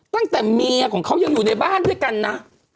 ตั้งแต่เมียของเขายังอยู่ในบ้านด้วยกันนะ